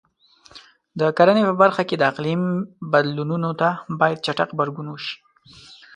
د کرنې په برخه کې د اقلیم بدلونونو ته باید چټک غبرګون وشي.